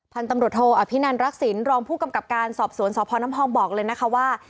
พันธุ์ตำรวจโทอภินันรักษิณรองผู้กำกับการสอบสวนสพน้ำพองบอกเลยนะคะว่า